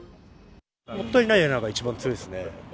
もったいないっていうのが一番強いですね。